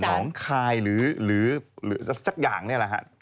หนองไคล์หรือซักอย่างเนี่ยน่ะนะฮะ